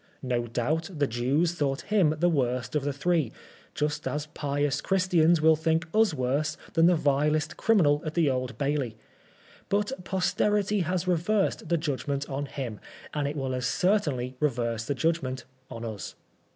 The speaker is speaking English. No doubt the Jews thought him the worst of the three, just as pious Christians will think us worse than the vilest criminal at tke Old Bailey ; but posterity has reversed the judgment on him, and it will as cer tainly reverse the judgment on us.